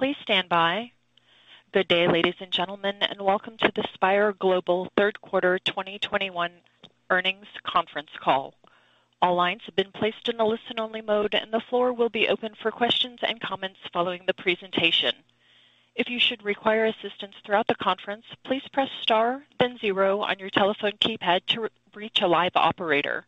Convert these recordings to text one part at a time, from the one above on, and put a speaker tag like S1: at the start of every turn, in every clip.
S1: Please stand by. Good day, ladies and gentlemen, and welcome to the Spire Global Third Quarter 2021 Earnings Conference Call. All lines have been placed in a listen-only mode, and the floor will be open for questions and comments following the presentation. If you should require assistance throughout the conference, please press Star then zero on your telephone keypad to reach a live operator.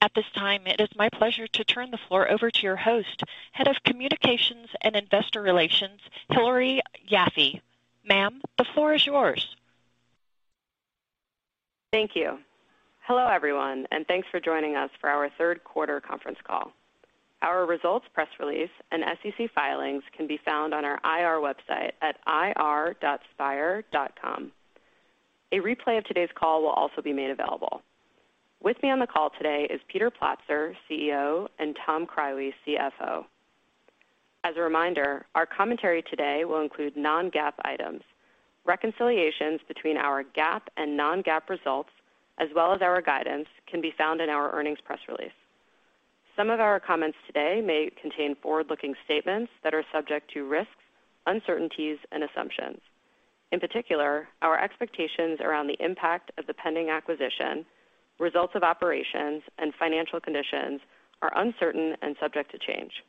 S1: At this time, it is my pleasure to turn the floor over to your host, Head of Communications and Investor Relations, Hillary Yaffe. Ma'am, the floor is yours.
S2: Thank you. Hello, everyone, and thanks for joining us for our third quarter conference call. Our results press release and SEC filings can be found on our IR website at ir.spire.com. A replay of today's call will also be made available. With me on the call today is Peter Platzer, Chief Executive Officer, and Thomas Krywe, Chief Financial Officer. As a reminder, our commentary today will include Non-GAAP items. Reconciliations between our GAAP and Non-GAAP results, as well as our guidance, can be found in our earnings press release. Some of our comments today may contain forward-looking statements that are subject to risks, uncertainties, and assumptions. In particular, our expectations around the impact of the pending acquisition, results of operations, and financial conditions are uncertain and subject to change.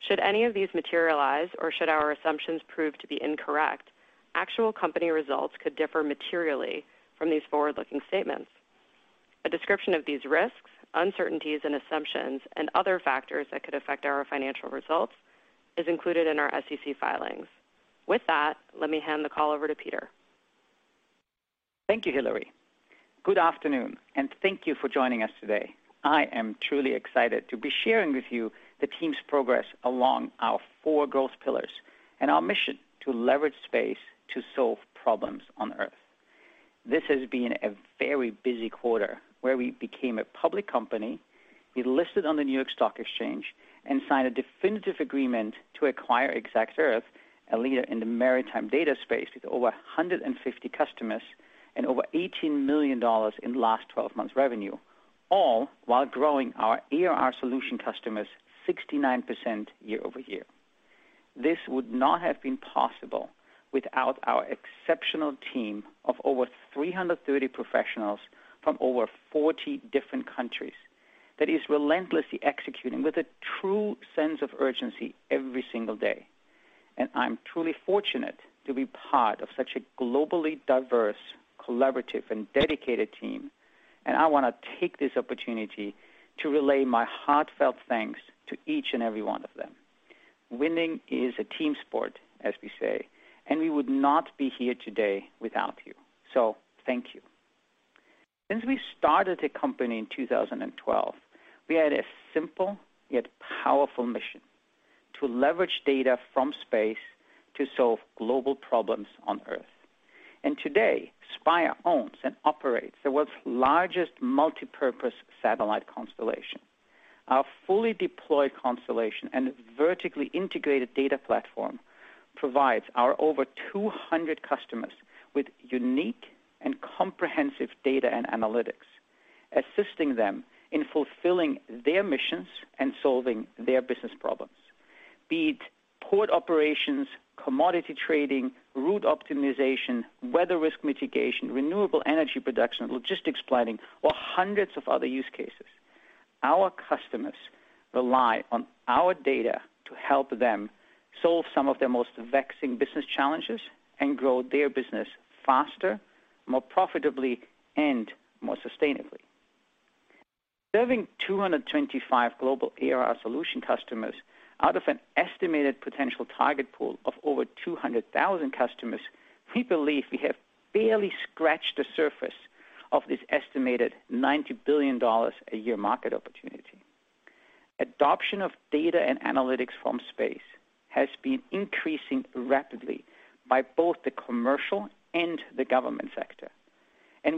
S2: Should any of these materialize or should our assumptions prove to be incorrect, actual company results could differ materially from these forward-looking statements. A description of these risks, uncertainties, and assumptions, and other factors that could affect our financial results is included in our SEC filings. With that, let me hand the call over to Peter.
S3: Thank you, Hillary. Good afternoon, and thank you for joining us today. I am truly excited to be sharing with you the team's progress along our four growth pillars and our mission to leverage space to solve problems on Earth. This has been a very busy quarter where we became a public company, we listed on the New York Stock Exchange and signed a definitive agreement to acquire exactEarth, a leader in the maritime data space with over 150 customers and over $18 million in last twelve months revenue, all while growing our ARR solution customers 69% year-over-year. This would not have been possible without our exceptional team of over 330 professionals from over 40 different countries that is relentlessly executing with a true sense of urgency every single day. I'm truly fortunate to be part of such a globally diverse, collaborative, and dedicated team. I wanna take this opportunity to relay my heartfelt thanks to each and every one of them. Winning is a team sport, as we say, and we would not be here today without you. Thank you. Since we started the company in 2012, we had a simple yet powerful mission: to leverage data from space to solve global problems on Earth. Today, Spire owns and operates the world's largest multipurpose satellite constellation. Our fully deployed constellation and vertically integrated data platform provides our over 200 customers with unique and comprehensive data and analytics, assisting them in fulfilling their missions and solving their business problems. Be it port operations, commodity trading, route optimization, weather risk mitigation, renewable energy production, logistics planning, or hundreds of other use cases. Our customers rely on our data to help them solve some of their most vexing business challenges and grow their business faster, more profitably, and more sustainably. Serving 225 global ARR solution customers out of an estimated potential target pool of over 200,000 customers, we believe we have barely scratched the surface of this estimated $90 billion a year market opportunity. Adoption of data and analytics from space has been increasing rapidly by both the commercial and the government sector.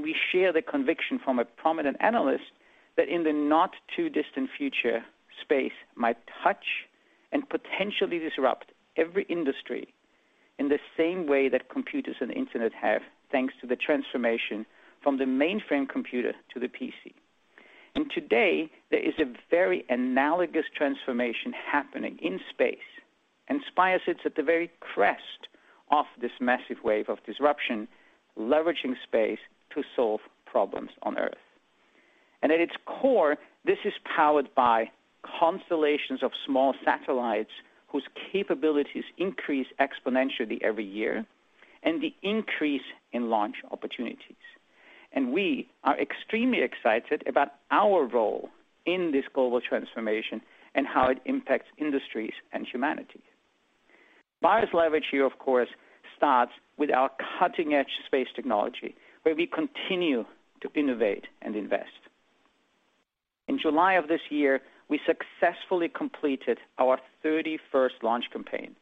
S3: We share the conviction from a prominent analyst that in the not too distant future, space might touch and potentially disrupt every industry in the same way that computers and internet have, thanks to the transformation from the mainframe computer to the PC. Today, there is a very analogous transformation happening in space, and Spire sits at the very crest of this massive wave of disruption, leveraging space to solve problems on Earth. At its core, this is powered by constellations of small satellites whose capabilities increase exponentially every year and the increase in launch opportunities. We are extremely excited about our role in this global transformation and how it impacts industries and humanity. Spire's leverage here, of course, starts with our cutting-edge space technology, where we continue to innovate and invest. In July of this year, we successfully completed our 31st launch campaign,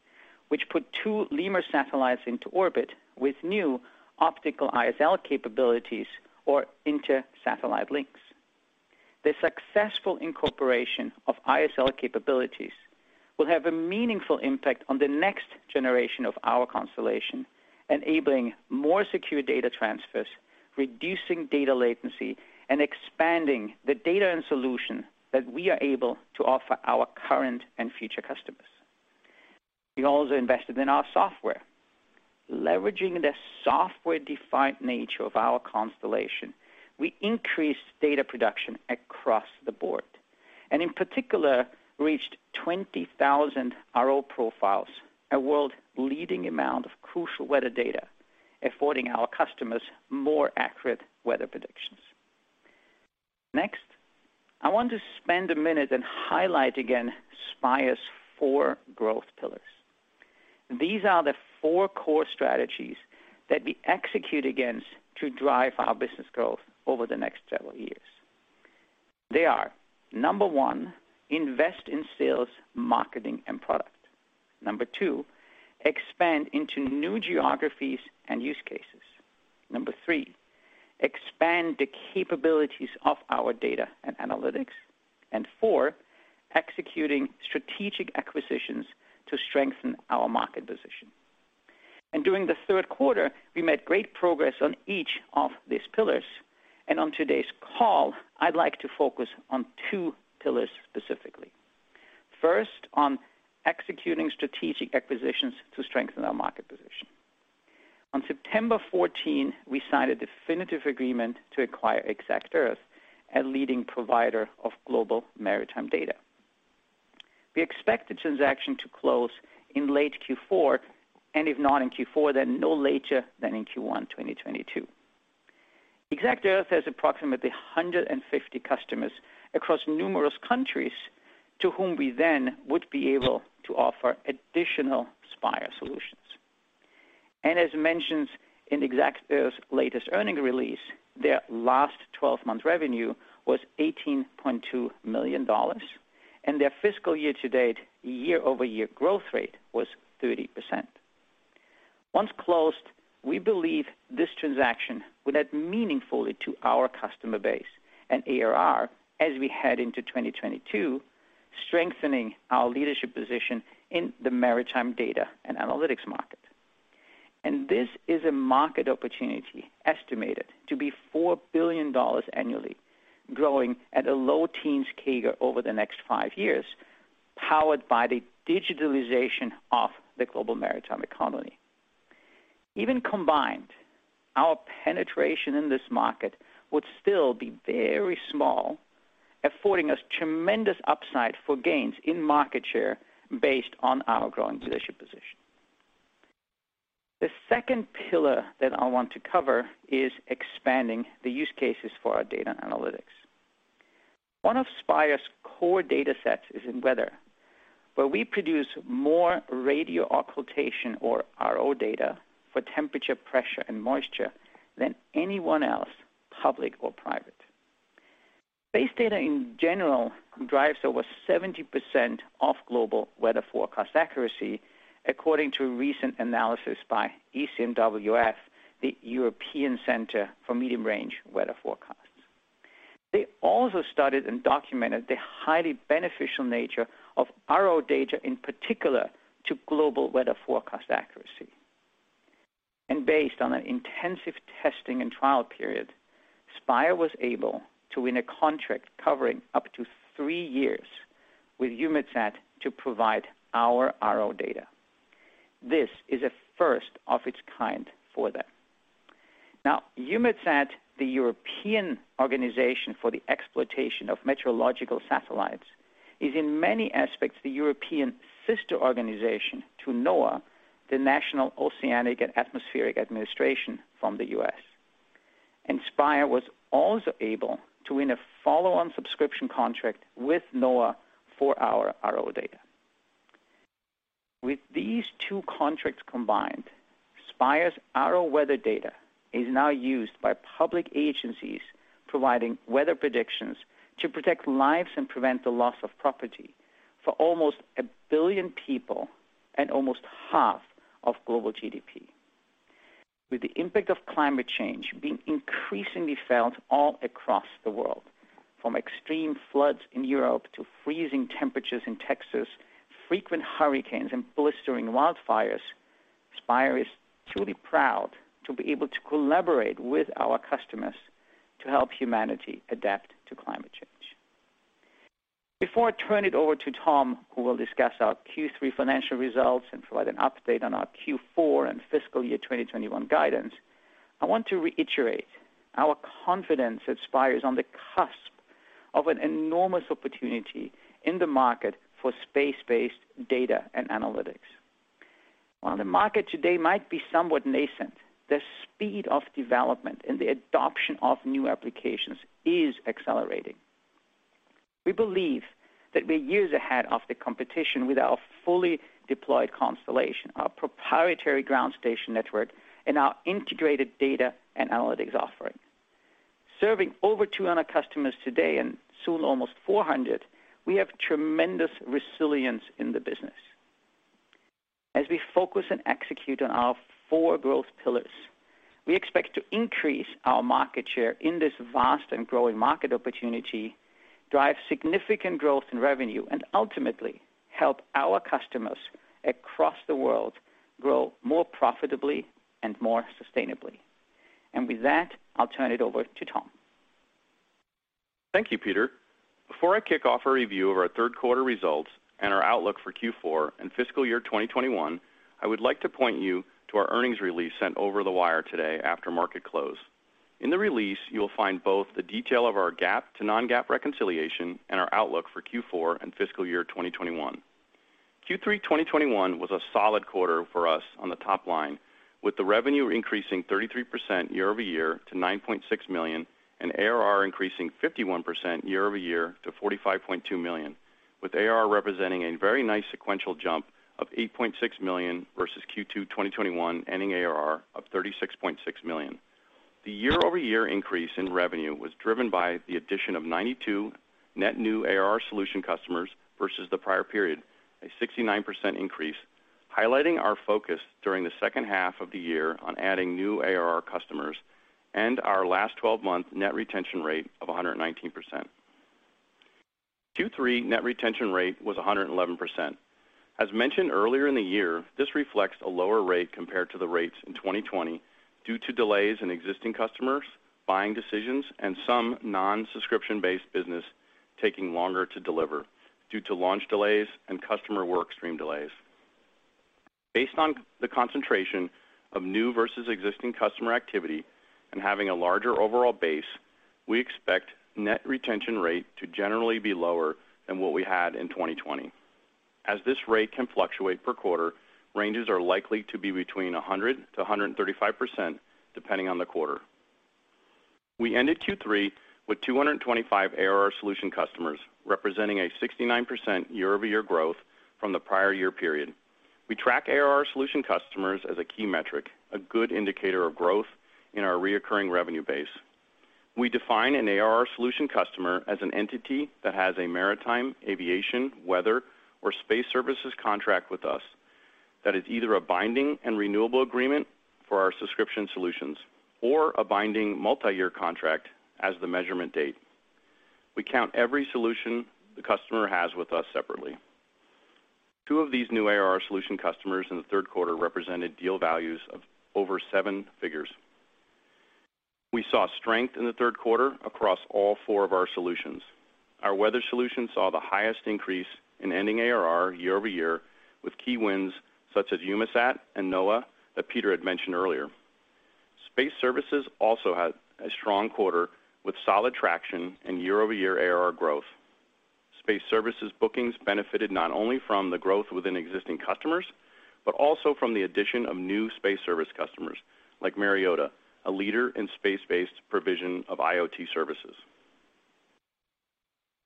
S3: which put two LEMUR satellites into orbit with new optical ISL capabilities or inter-satellite links. The successful incorporation of ISL capabilities will have a meaningful impact on the next generation of our constellation, enabling more secure data transfers, reducing data latency and expanding the data and solution that we are able to offer our current and future customers. We also invested in our software. Leveraging the software-defined nature of our constellation, we increased data production across the board, and in particular, reached 20,000 RO profiles, a world-leading amount of crucial weather data, affording our customers more accurate weather predictions. Next, I want to spend a minute and highlight again Spire's four growth pillars. These are the four core strategies that we execute against to drive our business growth over the next several years. They are, number one, invest in sales, marketing, and product. Number two, expand into new geographies and use cases. Number three, expand the capabilities of our data and analytics. Four, executing strategic acquisitions to strengthen our market position. During the third quarter, we made great progress on each of these pillars. On today's call, I'd like to focus on two pillars specifically. First, on executing strategic acquisitions to strengthen our market position. On September 14th, we signed a definitive agreement to acquire exactEarth, a leading provider of global maritime data. We expect the transaction to close in late Q4, and if not in Q4, then no later than in Q1 2022. exactEarth has approximately 150 customers across numerous countries to whom we then would be able to offer additional Spire solutions. As mentioned in exactEarth's latest earnings release, their last 12-month revenue was $18.2 million, and their fiscal year-to-date year-over-year growth rate was 30%. Once closed, we believe this transaction will add meaningfully to our customer base and ARR as we head into 2022, strengthening our leadership position in the maritime data and analytics market. This is a market opportunity estimated to be $4 billion annually, growing at a low teens CAGR over the next five years, powered by the digitalization of the global maritime economy. Even combined, our penetration in this market would still be very small, affording us tremendous upside for gains in market share based on our growing leadership position. The second pillar that I want to cover is expanding the use cases for our data analytics. One of Spire's core datasets is in weather, where we produce more radio occultation or RO data for temperature, pressure, and moisture than anyone else, public or private. This data, in general, drives over 70% of global weather forecast accuracy, according to a recent analysis by ECMWF, the European Centre for Medium-Range Weather Forecasts. They also studied and documented the highly beneficial nature of RO data, in particular, to global weather forecast accuracy. Based on an intensive testing and trial period, Spire was able to win a contract covering up to three years with EUMETSAT to provide our RO data. This is a first of its kind for them. Now, EUMETSAT, the European organization for the exploitation of meteorological satellites, is in many aspects the European sister organization to NOAA, the National Oceanic and Atmospheric Administration from the U.S. Spire was also able to win a follow-on subscription contract with NOAA for our RO data. With these two contracts combined, Spire's RO weather data is now used by public agencies providing weather predictions to protect lives and prevent the loss of property for almost a billion people and almost half of global GDP. With the impact of climate change being increasingly felt all across the world, from extreme floods in Europe to freezing temperatures in Texas, frequent hurricanes, and blistering wildfires, Spire is truly proud to be able to collaborate with our customers to help humanity adapt to climate change. Before I turn it over to Tom, who will discuss our Q3 financial results and provide an update on our Q4 and fiscal year 2021 guidance, I want to reiterate our confidence that Spire is on the cusp of an enormous opportunity in the market for space-based data and analytics. While the market today might be somewhat nascent, the speed of development and the adoption of new applications is accelerating. We believe that we're years ahead of the competition with our fully deployed constellation, our proprietary ground station network, and our integrated data and analytics offering. Serving over 200 customers today and soon almost 400 customers, we have tremendous resilience in the business. As we focus and execute on our four growth pillars, we expect to increase our market share in this vast and growing market opportunity. Drive significant growth in revenue and ultimately help our customers across the world grow more profitably and more sustainably. With that, I'll turn it over to Tom.
S4: Thank you, Peter. Before I kick off a review of our third quarter results and our outlook for Q4 and fiscal year 2021, I would like to point you to our earnings release sent over the wire today after market close. In the release, you will find both the detail of our GAAP to Non-GAAP reconciliation and our outlook for Q4 and fiscal year 2021. Q3 2021 was a solid quarter for us on the top line, with the revenue increasing 33% year-over-year to $9.6 million and ARR increasing 51% year-over-year to $45.2 million, with ARR representing a very nice sequential jump of $8.6 million versus Q2 2021 ending ARR of $36.6 million. The year-over-year increase in revenue was driven by the addition of 92 net new ARR solution customers versus the prior period, a 69% increase, highlighting our focus during the second half of the year on adding new ARR customers and our last 12-month net retention rate of 119%. Q3 net retention rate was 111%. As mentioned earlier in the year, this reflects a lower rate compared to the rates in 2020 due to delays in existing customers buying decisions and some non-subscription-based business taking longer to deliver due to launch delays and customer work stream delays. Based on the concentration of new versus existing customer activity and having a larger overall base, we expect net retention rate to generally be lower than what we had in 2020. As this rate can fluctuate per quarter, ranges are likely to be between 100%-135%, depending on the quarter. We ended Q3 with 225 ARR solution customers, representing a 69% year-over-year growth from the prior year period. We track ARR solution customers as a key metric, a good indicator of growth in our recurring revenue base. We define an ARR solution customer as an entity that has a maritime, aviation, weather, or space services contract with us that is either a binding and renewable agreement for our subscription solutions or a binding multi-year contract as the measurement date. We count every solution the customer has with us separately. Two of these new ARR solution customers in the third quarter represented deal values of over seven figures. We saw strength in the third quarter across all four of our solutions. Our weather solution saw the highest increase in ending ARR year-over-year with key wins such as EUMETSAT and NOAA that Peter had mentioned earlier. Space services also had a strong quarter with solid traction in year-over-year ARR growth. Space services bookings benefited not only from the growth within existing customers, but also from the addition of new space service customers like Myriota, a leader in space-based provision of IoT services.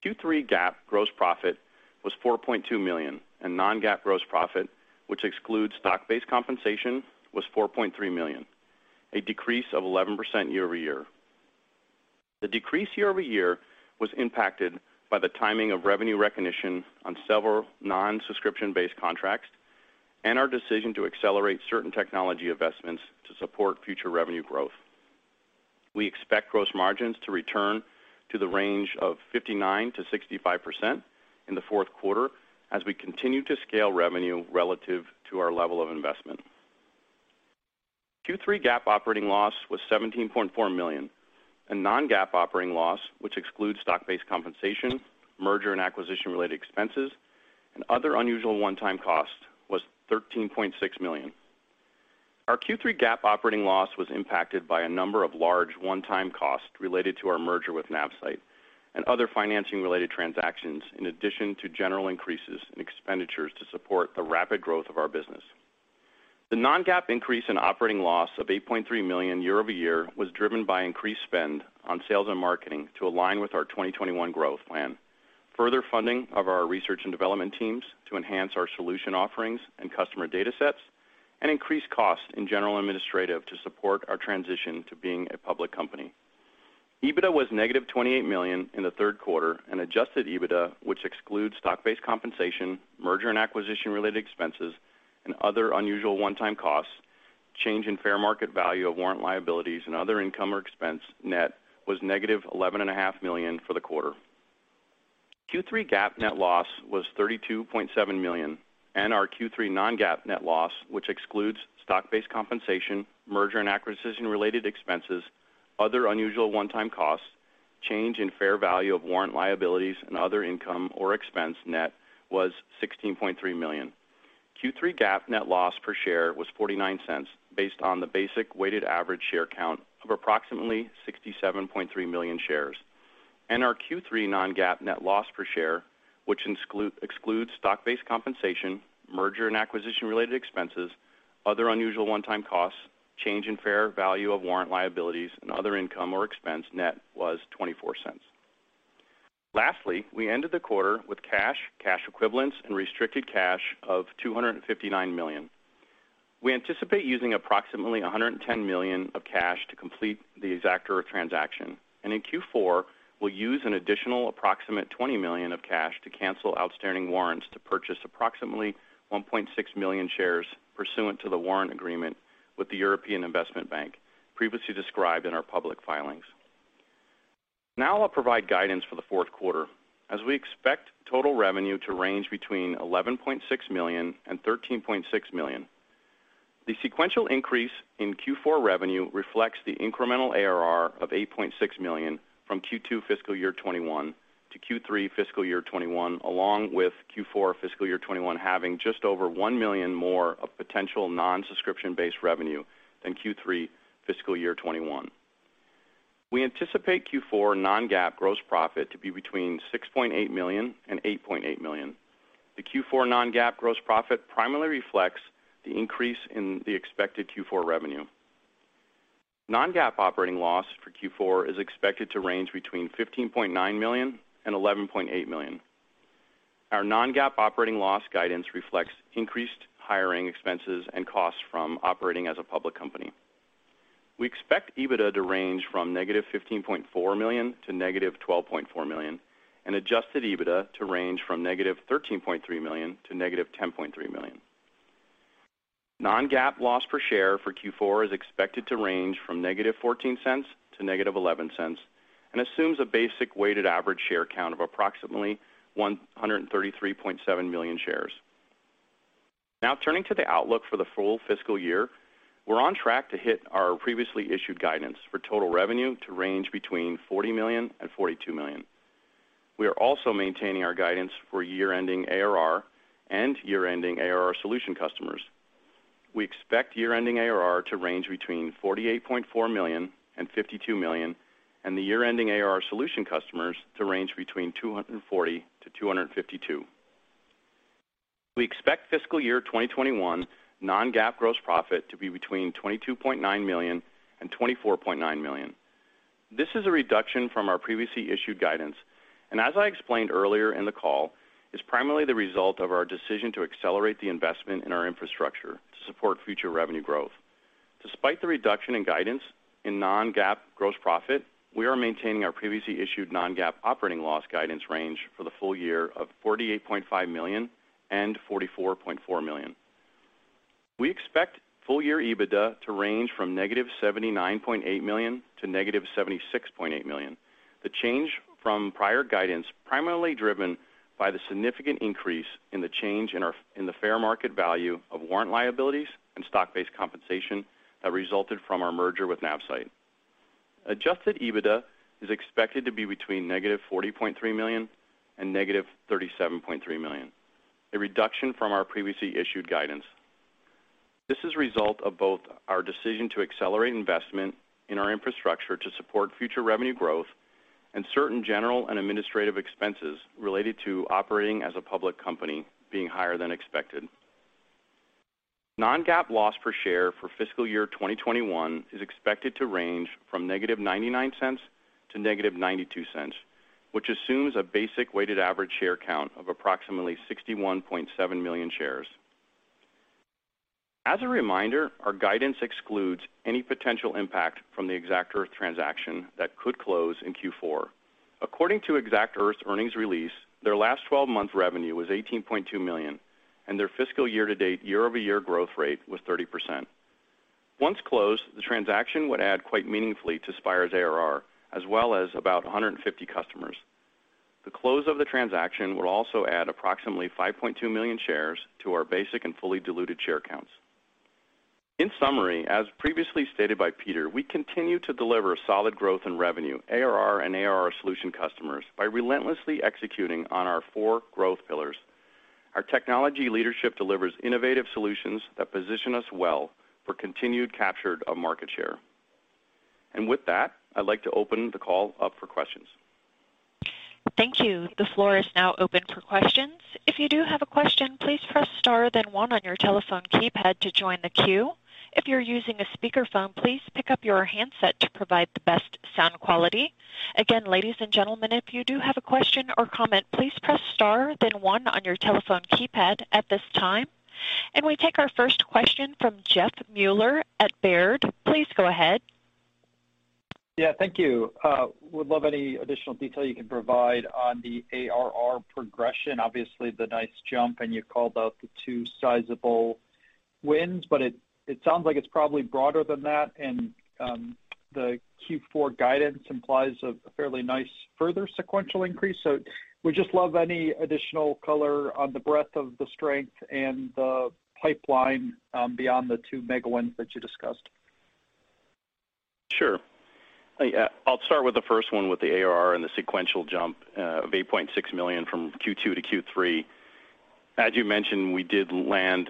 S4: Q3 GAAP gross profit was $4.2 million, and Non-GAAP gross profit, which excludes stock-based compensation, was $4.3 million, a decrease of 11% year-over-year. The decrease year-over-year was impacted by the timing of revenue recognition on several non-subscription-based contracts and our decision to accelerate certain technology investments to support future revenue growth. We expect gross margins to return to the range of 59%-65% in the fourth quarter as we continue to scale revenue relative to our level of investment. Q3 GAAP operating loss was $17.4 million, and Non-GAAP operating loss, which excludes stock-based compensation, merger and acquisition related expenses, and other unusual one-time costs, was $13.6 million. Our Q3 GAAP operating loss was impacted by a number of large one-time costs related to our merger with NavSight Holdings and other financing related transactions, in addition to general increases in expenditures to support the rapid growth of our business. The Non-GAAP increase in operating loss of $8.3 million year-over-year was driven by increased spend on sales and marketing to align with our 2021 growth plan. Further funding of our research and development teams to enhance our solution offerings and customer data sets and increase costs in general and administrative to support our transition to being a public company. EBITDA was negative $28 million in the third quarter, and adjusted EBITDA, which excludes stock-based compensation, merger and acquisition related expenses and other unusual one-time costs, change in fair value of warrant liabilities and other income or expense, net was negative $11.5 million for the quarter. Q3 GAAP net loss was $32.7 million, and our Q3 Non-GAAP net loss, which excludes stock-based compensation, merger and acquisition related expenses, other unusual one-time costs, change in fair value of warrant liabilities and other income or expense, net was $16.3 million. Q3 GAAP net loss per share was $0.49 based on the basic weighted average share count of approximately 67.3 million shares. Our Q3 Non-GAAP net loss per share, which excludes stock-based compensation, merger and acquisition related expenses, other unusual one-time costs, change in fair value of warrant liabilities and other income or expense net was $0.24. Lastly, we ended the quarter with cash equivalents and restricted cash of $259 million. We anticipate using approximately $110 million of cash to complete the exactEarth transaction, and in Q4, we'll use an additional approximate $20 million of cash to cancel outstanding warrants to purchase approximately 1.6 million shares pursuant to the warrant agreement with the European Investment Bank. Previously described in our public filings. Now I'll provide guidance for the fourth quarter as we expect total revenue to range between $11.6 million and $13.6 million. The sequential increase in Q4 revenue reflects the incremental ARR of $8.6 million from Q2 FY 2021-Q3 FY 2021, along with Q4 FY 2021 having just over $1 million more of potential non-subscription-based revenue than Q3 FY 2021. We anticipate Q4 Non-GAAP gross profit to be between $6.8 million and $8.8 million. The Q4 Non-GAAP gross profit primarily reflects the increase in the expected Q4 revenue. Non-GAAP operating loss for Q4 is expected to range between $15.9 million and $11.8 million. Our Non-GAAP operating loss guidance reflects increased hiring expenses and costs from operating as a public company. We expect EBITDA to range from -$15.4 million to -$12.4 million and adjusted EBITDA to range from -$13.3 million to -$10.3 million. Non-GAAP loss per share for Q4 is expected to range from -$0.14 to -$0.11 and assumes a basic weighted average share count of approximately 133.7 million shares. Now, turning to the outlook for the full fiscal year, we're on track to hit our previously issued guidance for total revenue to range between $40 million-$42 million. We are also maintaining our guidance for year-ending ARR and year-ending ARR solution customers. We expect year-ending ARR to range between $48.4 million-$52 million, and the year-ending ARR solution customers to range between 240 customers-252 customers. We expect fiscal year 2021 Non-GAAP gross profit to be between $22.9 million and $24.9 million. This is a reduction from our previously issued guidance and as I explained earlier in the call, is primarily the result of our decision to accelerate the investment in our infrastructure to support future revenue growth. Despite the reduction in guidance in Non-GAAP gross profit, we are maintaining our previously issued Non-GAAP operating loss guidance range for the full year of $48.5 million and $44.4 million. We expect full-year EBITDA to range from -$79.8 million to -$76.8 million. The change from prior guidance primarily driven by the significant increase in the fair market value of warrant liabilities and stock-based compensation that resulted from our merger with NavSight. Adjusted EBITDA is expected to be between -$40.3 million and -$37.3 million, a reduction from our previously issued guidance. This is a result of both our decision to accelerate investment in our infrastructure to support future revenue growth and certain general and administrative expenses related to operating as a public company being higher than expected. Non-GAAP loss per share for fiscal year 2021 is expected to range from negative $0.99 to negative $0.92, which assumes a basic weighted average share count of approximately 61.7 million shares. As a reminder, our guidance excludes any potential impact from the exactEarth transaction that could close in Q4. According to exactEarth's earnings release, their last twelve-month revenue was $18.2 million, and their fiscal year to date year-over-year growth rate was 30%. Once closed, the transaction would add quite meaningfully to Spire's ARR as well as about 150 customers. The close of the transaction would also add approximately 5.2 million shares to our basic and fully diluted share counts. In summary, as previously stated by Peter, we continue to deliver solid growth in revenue, ARR and ARR solution customers by relentlessly executing on our four growth pillars. Our technology leadership delivers innovative solutions that position us well for continued capture of market share. With that, I'd like to open the call up for questions.
S1: Thank you. The floor is now open for questions. If you do have a question, please press star then one on your telephone keypad to join the queue. If you're using a speakerphone, please pick up your handset to provide the best sound quality. Again, ladies and gentlemen, if you do have a question or comment, please press star then one on your telephone keypad at this time. We take our first question from Jeff Meuler at Baird. Please go ahead.
S5: Yeah. Thank you. Would love any additional detail you can provide on the ARR progression. Obviously, the nice jump, and you called out the two sizable wins, but it sounds like it's probably broader than that, and the Q4 guidance implies a fairly nice further sequential increase. Would just love any additional color on the breadth of the strength and the pipeline, beyond the two mega wins that you discussed.
S4: Sure. I'll start with the first one with the ARR and the sequential jump of $8.6 million from Q2-Q3. As you mentioned, we did land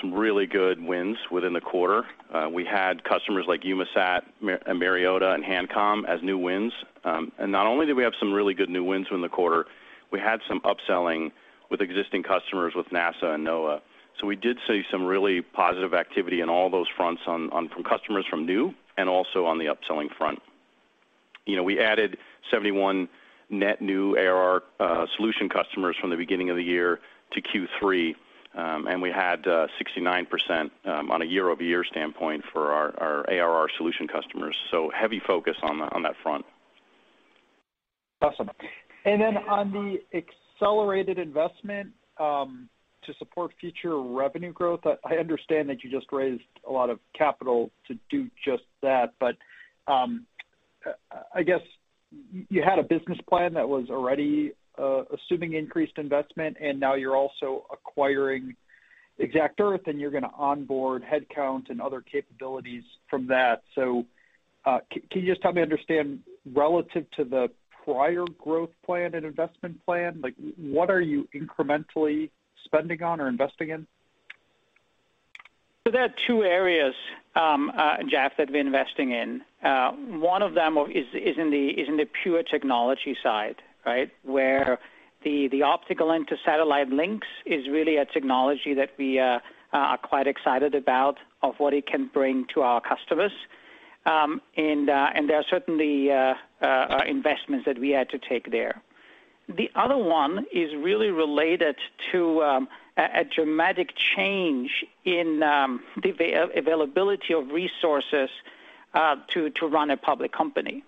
S4: some really good wins within the quarter. We had customers like EUMETSAT, Myriota, and Hancom as new wins. And not only did we have some really good new wins within the quarter, we had some upselling with existing customers with NASA and NOAA. We did see some really positive activity in all those fronts from customers, from new and also on the upselling front. You know, we added 71 net new ARR solution customers from the beginning of the year to Q3, and we had 69% on a year-over-year standpoint for our ARR solution customers. Heavy focus on that front.
S5: Awesome. On the accelerated investment to support future revenue growth, I understand that you just raised a lot of capital to do just that, but I guess you had a business plan that was already assuming increased investment and now you're also acquiring exactEarth, and you're gonna onboard headcount and other capabilities from that. Can you just help me understand relative to the prior growth plan and investment plan, like what are you incrementally spending on or investing in?
S3: There are two areas, Jeff, that we're investing in. One of them is in the pure technology side, right? Where the optical inter-satellite links is really a technology that we are quite excited about of what it can bring to our customers. There are certainly investments that we had to take there. The other one is really related to a dramatic change in the availability of resources to run a public company.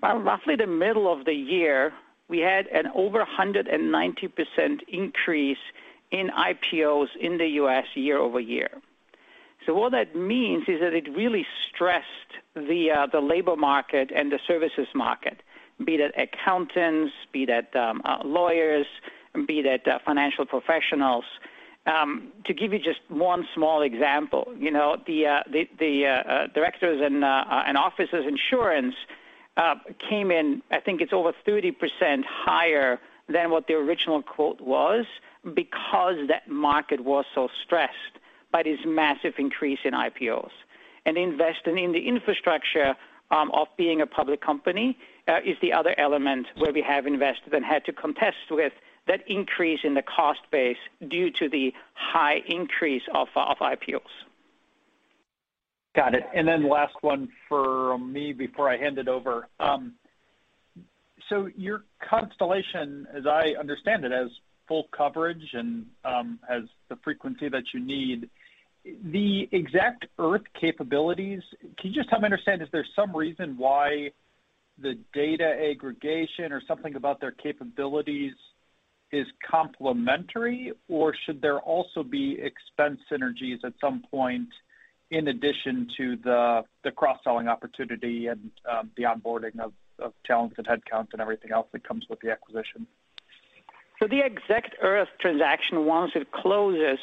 S3: By roughly the middle of the year, we had an over 190% increase in IPOs in the U.S. year-over-year. What that means is that it really stressed the labor market and the services market, be that accountants, be that lawyers, be that financial professionals. To give you just one small example, you know, the directors and officers insurance came in, I think it's over 30% higher than what the original quote was because that market was so stressed by this massive increase in IPOs. Investing in the infrastructure of being a public company is the other element where we have invested and had to contend with that increase in the cost base due to the high increase of IPOs.
S5: Got it. last one for me before I hand it over. your constellation, as I understand it, has full coverage and, has the frequency that you need. The exactEarth capabilities, can you just help me understand, is there some reason why the data aggregation or something about their capabilities is complementary, or should there also be expense synergies at some point in addition to the cross-selling opportunity and, the onboarding of talent and headcount and everything else that comes with the acquisition?
S3: The exactEarth transaction, once it closes,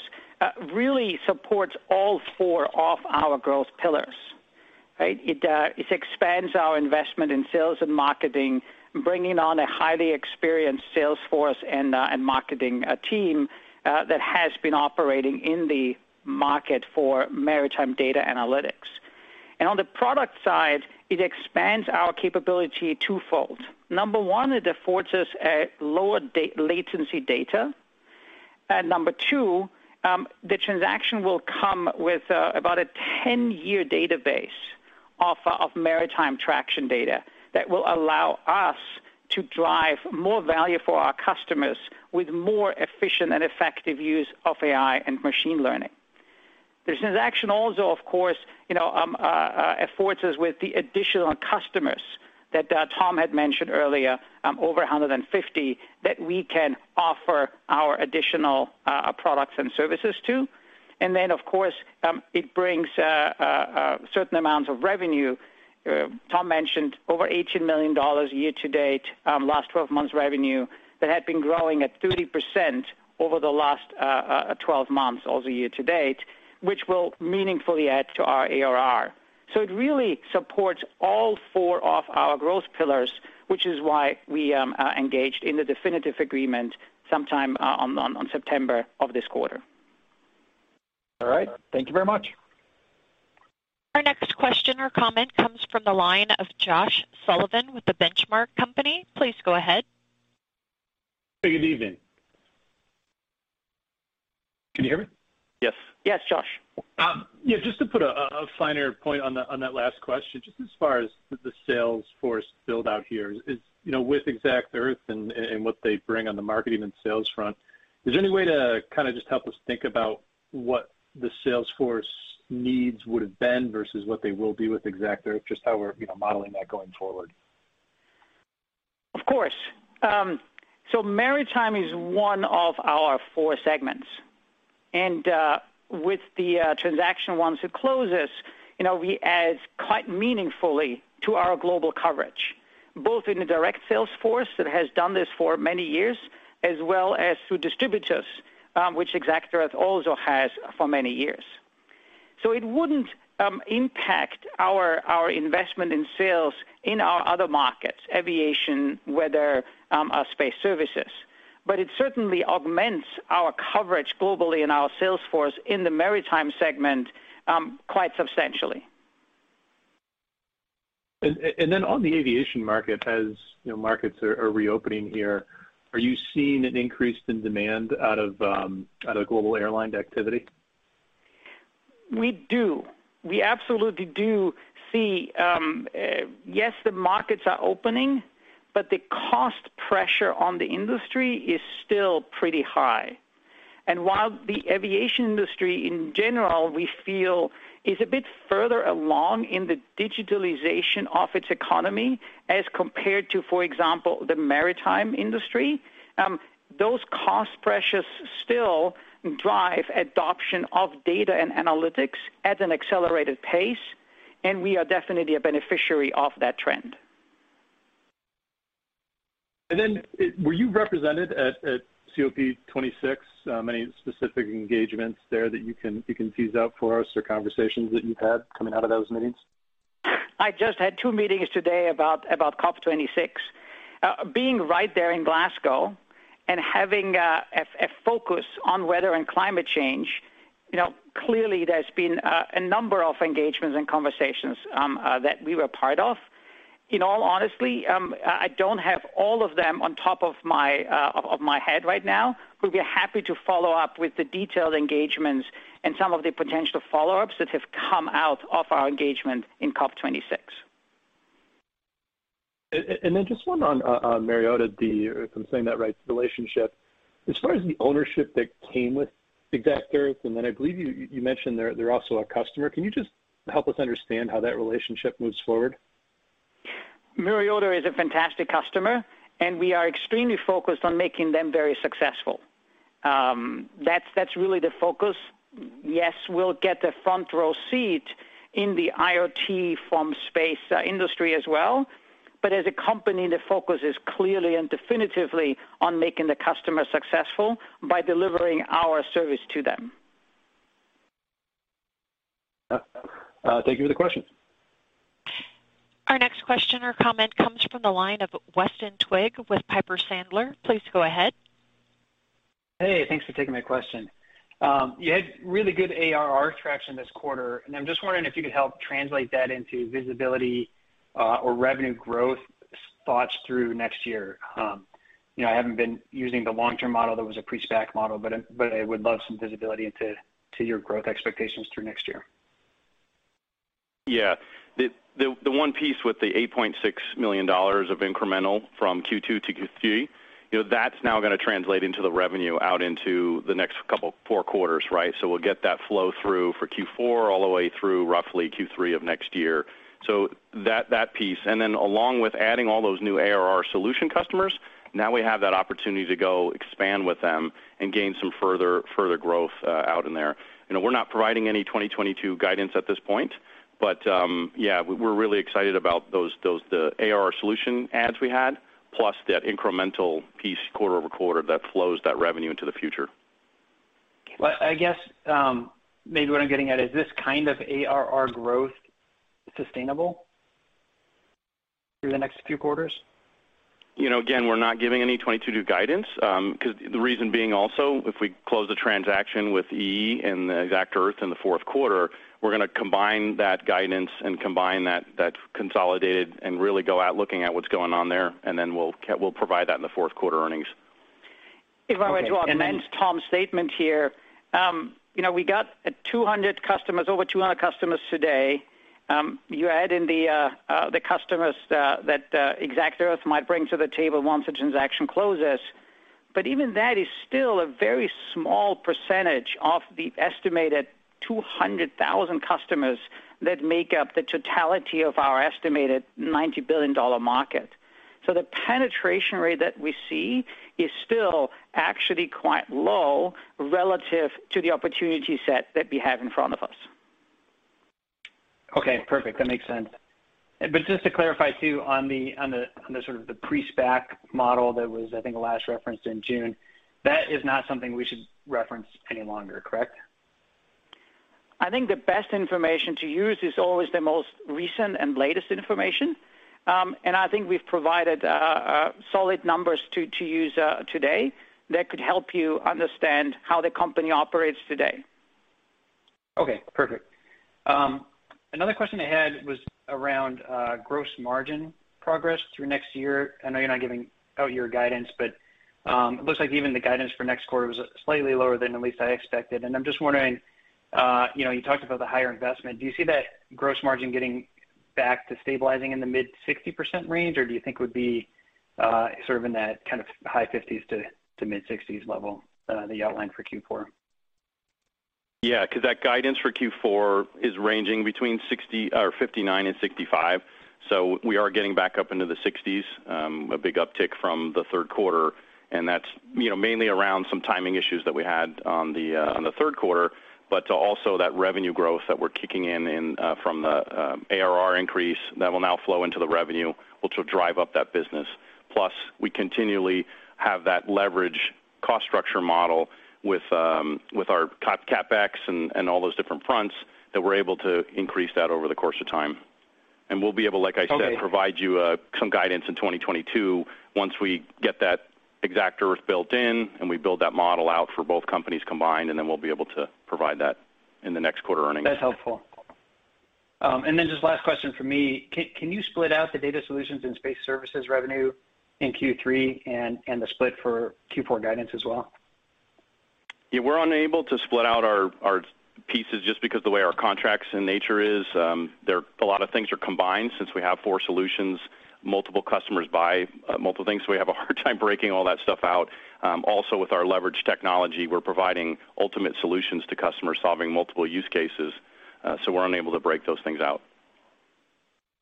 S3: really supports all four of our growth pillars, right? It expands our investment in sales and marketing, bringing on a highly experienced sales force and marketing team that has been operating in the market for maritime data analytics. On the product side, it expands our capability twofold. Number one, it affords us lower-latency data. Number two, the transaction will come with about a 10-year database of maritime tracking data that will allow us to drive more value for our customers with more efficient and effective use of AI and machine learning. The transaction also, of course, you know, affords us with the additional customers that Tom had mentioned earlier, over 150 customers, that we can offer our additional products and services to. Of course, it brings certain amounts of revenue. Tom mentioned over $18 million year to date, last 12 months revenue that had been growing at 30% over the last 12 months or the year to date, which will meaningfully add to our ARR. It really supports all four of our growth pillars, which is why we engaged in the definitive agreement sometime on September of this quarter.
S5: All right. Thank you very much.
S1: Our next question or comment comes from the line of Josh Sullivan with The Benchmark Company. Please go ahead.
S6: Good evening. Can you hear me?
S4: Yes.
S3: Yes, Josh.
S6: Yeah, just to put a finer point on that last question, just as far as the sales force build out here is, you know, with exactEarth and what they bring on the marketing and sales front, is there any way to kind of just help us think about what the sales force needs would have been versus what they will be with exactEarth, just how we're, you know, modeling that going forward?
S3: Of course. Maritime is one of our four segments. With the transaction once we close, you know, it adds quite meaningfully to our global coverage, both in the direct sales force that has done this for many years, as well as through distributors, which exactEarth also has for many years. It wouldn't impact our investment in sales in our other markets, aviation, weather, our space services, but it certainly augments our coverage globally in our sales force in the maritime segment quite substantially.
S6: On the aviation market, as you know, markets are reopening here, are you seeing an increase in demand out of global airline activity?
S3: We do. We absolutely do see, yes, the markets are opening, but the cost pressure on the industry is still pretty high. While the aviation industry in general, we feel is a bit further along in the digitalization of its economy as compared to, for example, the maritime industry, those cost pressures still drive adoption of data and analytics at an accelerated pace, and we are definitely a beneficiary of that trend.
S6: Were you represented at COP26? Any specific engagements there that you can tease out for us or conversations that you've had coming out of those meetings?
S3: I just had two meetings today about COP26. Being right there in Glasgow and having a focus on weather and climate change, you know, clearly there's been a number of engagements and conversations that we were part of. In all honesty, I don't have all of them on top of my head right now. We'll be happy to follow up with the detailed engagements and some of the potential follow-ups that have come out of our engagement in COP26.
S6: Just one on Myriota, if I'm saying that right, relationship. As far as the ownership that came with exactEarth, and then I believe you mentioned they're also a customer, can you just help us understand how that relationship moves forward?
S3: Myriota is a fantastic customer, and we are extremely focused on making them very successful. That's really the focus. Yes, we'll get a front row seat in the IoT from space industry as well. As a company, the focus is clearly and definitively on making the customer successful by delivering our service to them.
S4: Thank you for the question.
S1: Our next question or comment comes from the line of Weston Twigg with Piper Sandler. Please go ahead.
S7: Hey, thanks for taking my question. You had really good ARR traction this quarter, and I'm just wondering if you could help translate that into visibility or revenue growth thoughts through next year. You know, I haven't been using the long-term model that was a pre-SPAC model, but I would love some visibility into your growth expectations through next year.
S4: Yeah. The one piece with the $8.6 million of incremental from Q2-Q3, you know, that's now gonna translate into the revenue out into the next four quarters, right? We'll get that flow through for Q4 all the way through roughly Q3 of next year. That piece. Along with adding all those new ARR solution customers, now we have that opportunity to go expand with them and gain some further growth out there. You know, we're not providing any 2022 guidance at this point, but yeah, we're really excited about those ARR solution adds we had, plus that incremental piece quarter-over-quarter that flows that revenue into the future.
S7: Well, I guess, maybe what I'm getting at, is this kind of ARR growth sustainable through the next few quarters?
S4: You know, again, we're not giving any 2022 guidance, 'cause the reason being also, if we close the transaction with exactEarth in the fourth quarter, we're gonna combine that guidance and combine that consolidated and really go out looking at what's going on there. We'll provide that in the fourth quarter earnings.
S3: If I may to augment Tom's statement here. You know, we got 200 customers, over 200 customers today. You add in the customers that exactEarth might bring to the table once the transaction closes. Even that is still a very small percentage of the estimated 200,000 customers that make up the totality of our estimated $90 billion market. The penetration rate that we see is still actually quite low relative to the opportunity set that we have in front of us.
S7: Okay, perfect. That makes sense. Just to clarify, too, on the sort of the pre-SPAC model that was, I think, last referenced in June, that is not something we should reference any longer, correct?
S3: I think the best information to use is always the most recent and latest information. I think we've provided solid numbers to use today that could help you understand how the company operates today.
S7: Okay, perfect. Another question I had was around gross margin progress through next year. I know you're not giving out your guidance, but it looks like even the guidance for next quarter was slightly lower than at least I expected. I'm just wondering, you know, you talked about the higher investment. Do you see that gross margin getting back to stabilizing in the mid-60% range, or do you think it would be sort of in that kind of high 50s%-mid 60s% level that you outlined for Q4?
S4: Yeah, 'cause that guidance for Q4 is ranging between $59-$65. We are getting back up into the $60s, a big uptick from the third quarter, and that's, you know, mainly around some timing issues that we had on the third quarter, but also that revenue growth that we're kicking in from the ARR increase that will now flow into the revenue, which will drive up that business. Plus, we continually have that leverage cost structure model with our CapEx and all those different fronts that we're able to increase that over the course of time. We'll be able, like I said-
S7: Okay...
S4: provide you, some guidance in 2022 once we get that exactEarth built in and we build that model out for both companies combined, and then we'll be able to provide that in the next quarter earnings.
S7: That's helpful. Just last question from me. Can you split out the data solutions and space services revenue in Q3 and the split for Q4 guidance as well?
S4: Yeah, we're unable to split out our Pieces, just because the way our contracts are in nature is, a lot of things are combined since we have four solutions, multiple customers buy multiple things, so we have a hard time breaking all that stuff out. Also, with our leverage technology, we're providing ultimate solutions to customers solving multiple use cases, so we're unable to break those things out.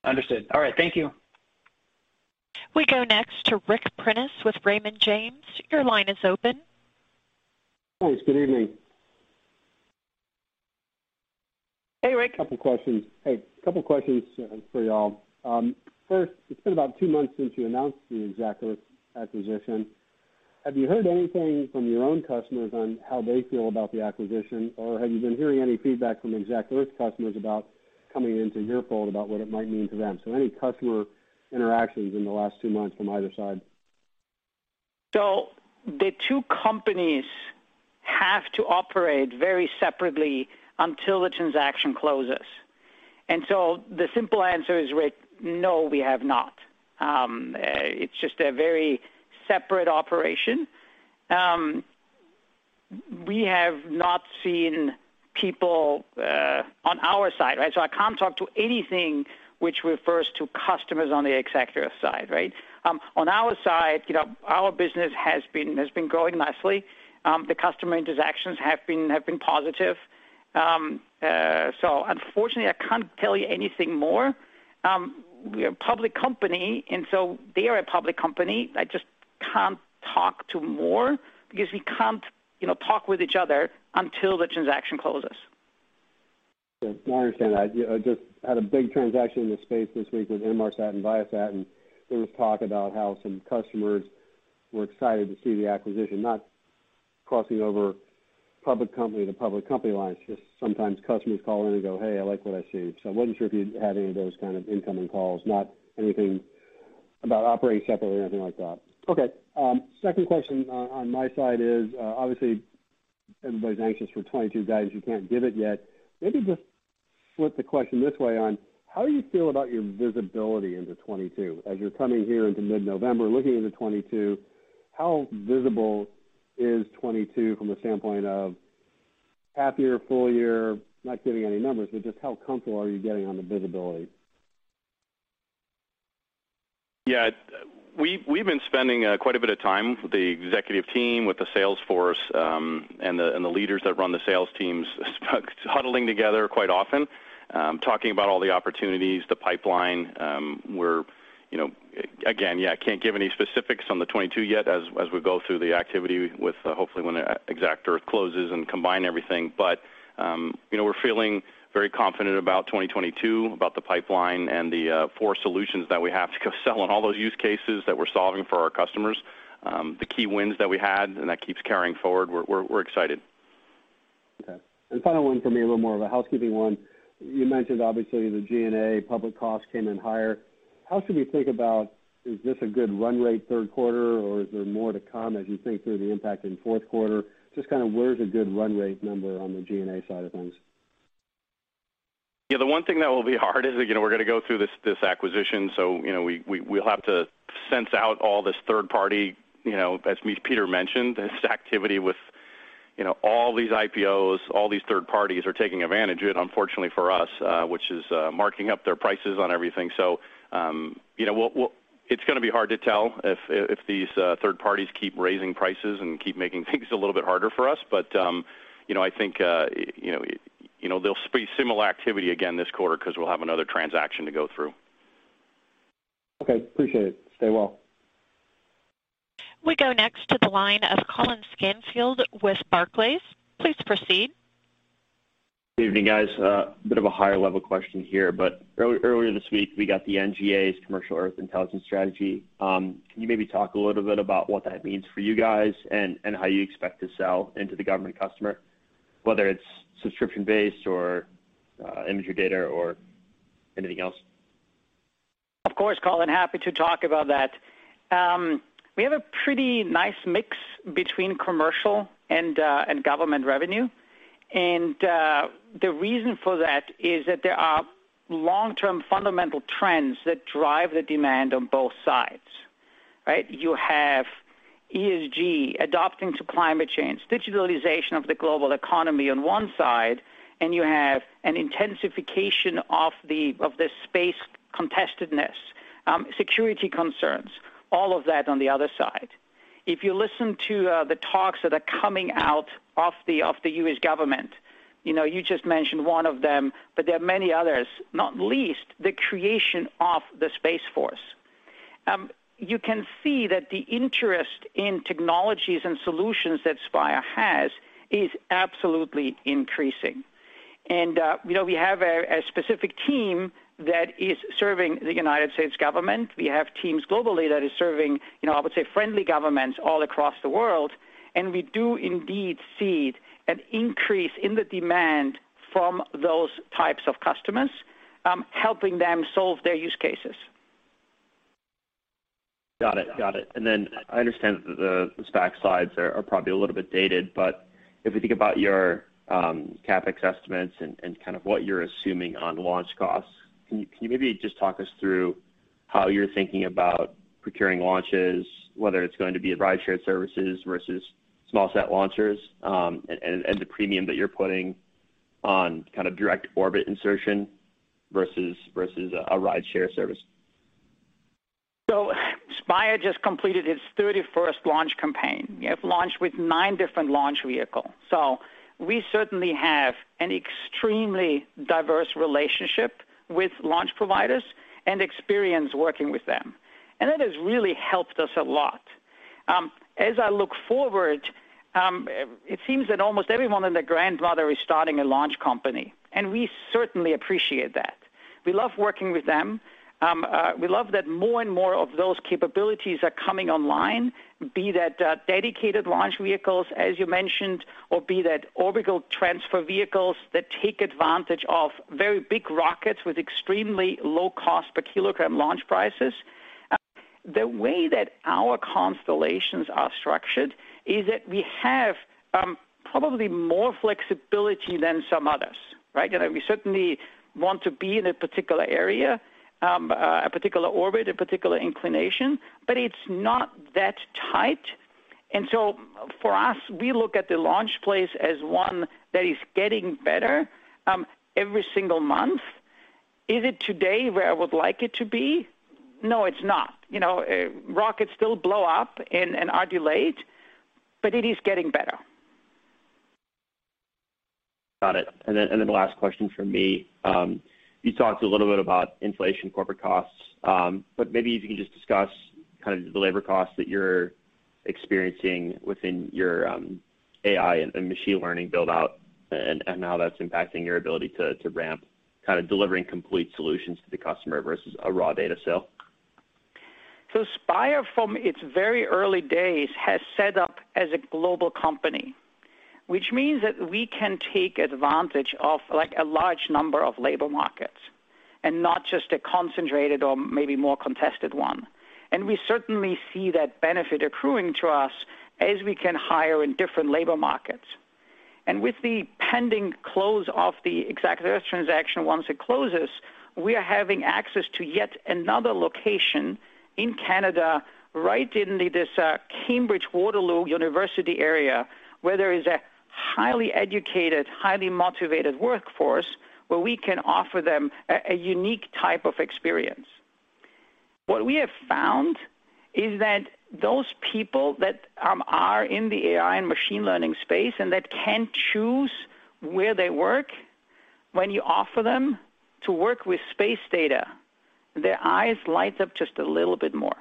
S7: Understood. All right. Thank you.
S1: We go next to Ric Prentiss with Raymond James. Your line is open.
S8: Thanks. Good evening.
S3: Hey, Ric.
S8: Couple questions for y'all. First, it's been about two months since you announced the exactEarth acquisition. Have you heard anything from your own customers on how they feel about the acquisition? Or have you been hearing any feedback from exactEarth customers about coming into your fold about what it might mean to them? Any customer interactions in the last two months from either side.
S3: The two companies have to operate very separately until the transaction closes. The simple answer is, Rick, no, we have not. It's just a very separate operation. We have not seen people on our side, right? I can't talk to anything which refers to customers on the exactEarth side, right? On our side, you know, our business has been growing nicely. The customer interactions have been positive. Unfortunately, I can't tell you anything more. We're a public company, and so they are a public company. I just can't talk to more because we can't, you know, talk with each other until the transaction closes.
S8: Okay. No, I understand that. I just had a big transaction in this space this week with Inmarsat and Viasat, and there was talk about how some customers were excited to see the acquisition, not crossing over public company to public company lines, just sometimes customers call in and go, "Hey, I like what I see." I wasn't sure if you had any of those kind of incoming calls, not anything about operating separately or anything like that. Okay, second question on my side is, obviously everybody's anxious for 2022 guidance. You can't give it yet. Maybe just flip the question this way on how you feel about your visibility into 2022. As you're coming here into mid-November, looking into 2022, how visible is 2022 from the standpoint of half-year, full year, not giving any numbers, but just how comfortable are you getting on the visibility?
S4: Yeah. We've been spending quite a bit of time with the executive team, with the sales force, and the leaders that run the sales teams huddling together quite often, talking about all the opportunities, the pipeline. We're, you know, again, yeah, can't give any specifics on the 2022 yet as we go through the activity with, hopefully when exactEarth closes and combine everything. You know, we're feeling very confident about 2022, about the pipeline and the four solutions that we have to go sell and all those use cases that we're solving for our customers. The key wins that we had and that keeps carrying forward. We're excited.
S8: Okay. Final one for me, a little more of a housekeeping one. You mentioned obviously the G&A public costs came in higher. How should we think about? Is this a good run rate third quarter, or is there more to come as you think through the impact in fourth quarter? Just kind of where's a good run rate number on the G&A side of things?
S4: Yeah, the one thing that will be hard is, you know, we're gonna go through this acquisition, so, you know, we'll have to sense out all this third party, you know, as Peter mentioned, this activity with, you know, all these IPOs, all these third parties are taking advantage of it, unfortunately for us, which is marking up their prices on everything. So, you know, we'll—It's gonna be hard to tell if these third parties keep raising prices and keep making things a little bit harder for us. But, you know, I think, you know, you know, there'll be similar activity again this quarter 'cause we'll have another transaction to go through.
S8: Okay. Appreciate it. Stay well.
S1: We go next to the line of Colin Canfield with Barclays. Please proceed.
S9: Good evening, guys. A bit of a higher level question here, earlier this week, we got the NGA's commercial Earth intelligence strategy. Can you maybe talk a little bit about what that means for you guys and how you expect to sell into the government customer, whether it's subscription-based or imagery data or anything else?
S3: Of course, Colin. Happy to talk about that. We have a pretty nice mix between commercial and government revenue. The reason for that is that there are long-term fundamental trends that drive the demand on both sides, right? You have ESG adapting to climate change, digitalization of the global economy on one side, and you have an intensification of the space contestedness, security concerns, all of that on the other side. If you listen to the talks that are coming out of the U.S. government, you know, you just mentioned one of them, but there are many others, not least the creation of the Space Force. You can see that the interest in technologies and solutions that Spire has is absolutely increasing. You know, we have a specific team that is serving the United States government. We have teams globally that is serving, you know, I would say, friendly governments all across the world, and we do indeed see an increase in the demand from those types of customers, helping them solve their use cases.
S9: Got it. I understand the SPAC slides are probably a little bit dated, but if we think about your CapEx estimates and kind of what you're assuming on launch costs, can you maybe just talk us through how you're thinking about procuring launches, whether it's going to be ride-share services versus small sat launchers, and the premium that you're putting on kind of direct orbit insertion versus a ride-share service.
S3: Spire just completed its 31st launch campaign. We have launched with nine different launch vehicle. We certainly have an extremely diverse relationship with launch providers and experience working with them. That has really helped us a lot. As I look forward, it seems that almost everyone and their grandmother is starting a launch company, and we certainly appreciate that. We love working with them. We love that more and more of those capabilities are coming online, be that, dedicated launch vehicles, as you mentioned, or be that orbital transfer vehicles that take advantage of very big rockets with extremely low cost per kilogram launch prices. The way that our constellations are structured is that we have, probably more flexibility than some others, right? You know, we certainly want to be in a particular area, a particular orbit, a particular inclination, but it's not that tight. For us, we look at the launch place as one that is getting better, every single month. Is it today where I would like it to be? No, it's not. You know, rockets still blow up and are delayed, but it is getting better.
S9: Got it. The last question from me. You talked a little bit about inflation, corporate costs, but maybe if you can just discuss kind of the labor costs that you're experiencing within your AI and machine learning build-out and how that's impacting your ability to ramp kind of delivering complete solutions to the customer versus a raw data sale?
S3: Spire, from its very early days, has set up as a global company, which means that we can take advantage of, like, a large number of labor markets and not just a concentrated or maybe more contested one. We certainly see that benefit accruing to us as we can hire in different labor markets. With the pending close of the exactEarth transaction, once it closes, we are having access to yet another location in Canada, right in this Cambridge Waterloo University area, where there is a highly educated, highly motivated workforce, where we can offer them a unique type of experience. What we have found is that those people that are in the AI and machine learning space and that can choose where they work, when you offer them to work with space data, their eyes light up just a little bit more.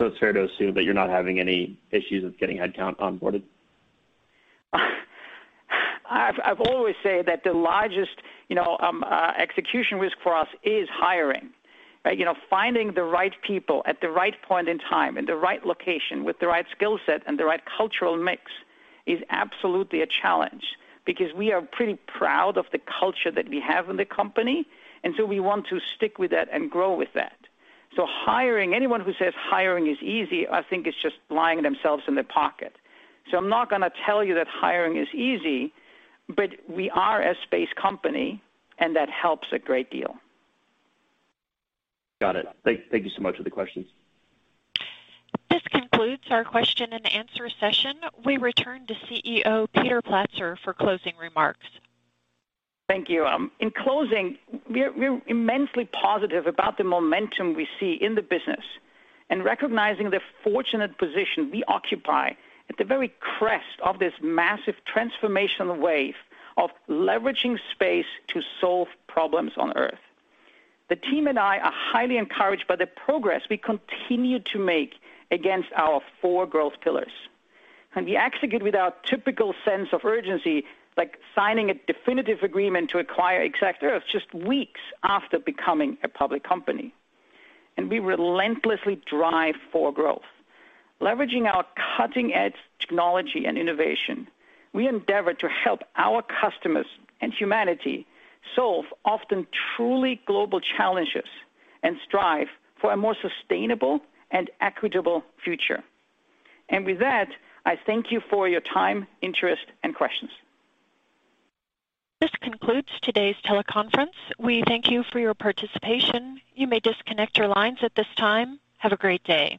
S9: It's fair to assume that you're not having any issues with getting headcount onboarded?
S3: I've always said that the largest, you know, execution risk for us is hiring, right? You know, finding the right people at the right point in time, in the right location with the right skill set and the right cultural mix is absolutely a challenge because we are pretty proud of the culture that we have in the company, and so we want to stick with that and grow with that. Hiring. Anyone who says hiring is easy, I think, is just lying to themselves. I'm not gonna tell you that hiring is easy, but we are a space company, and that helps a great deal.
S9: Got it. Thank you so much for the questions.
S1: This concludes our question and answer session. We return to Chief Executive Officer Peter Platzer for closing remarks.
S3: Thank you. In closing, we're immensely positive about the momentum we see in the business and recognizing the fortunate position we occupy at the very crest of this massive transformational wave of leveraging space to solve problems on Earth. The team and I are highly encouraged by the progress we continue to make against our four growth pillars. We execute with our typical sense of urgency, like signing a definitive agreement to acquire exactEarth just weeks after becoming a public company. We relentlessly drive for growth. Leveraging our cutting-edge technology and innovation, we endeavor to help our customers and humanity solve often truly global challenges and strive for a more sustainable and equitable future. With that, I thank you for your time, interest, and questions.
S1: This concludes today's teleconference. We thank you for your participation. You may disconnect your lines at this time. Have a great day.